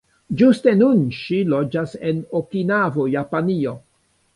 Ĝuste nun ŝi loĝas en Okinavo, Japanio.